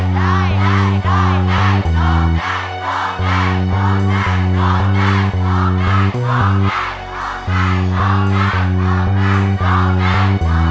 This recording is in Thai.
โทษให้โทษให้โทษให้